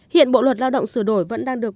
hiện bộ luật lao động sửa đổi vẫn đang được